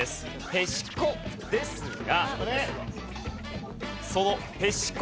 へしこですが。